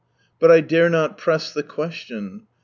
But I dare not press the question.